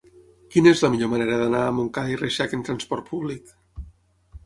Quina és la millor manera d'anar a Montcada i Reixac amb trasport públic?